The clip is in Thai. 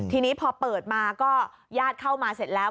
ทีนี้พอเปิดมาก็ญาติเข้ามาเสร็จแล้ว